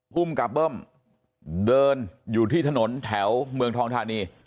ภูมิกับเบิ้มเดินอยู่ที่ถนนแถวเมืองทองธานี